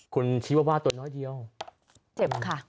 คุณชีวาว่าตัวน้อยเดียวเจ็บค่ะ